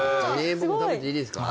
僕も食べていいですか？